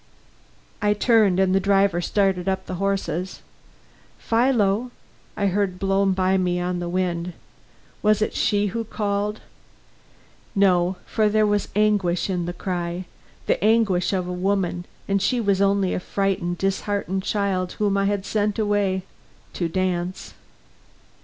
I turned, and the driver started up the horses. "Philo!" I heard blown by me on the wind. Was it she who called? No, for there was anguish in the cry, the anguish of a woman, and she was only a frightened, disheartened child whom I had sent away to dance.